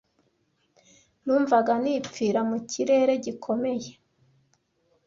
numvaga nipfira mu kirere gikomeye